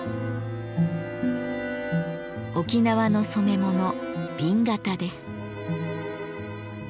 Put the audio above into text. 沖縄の染め物紅型です。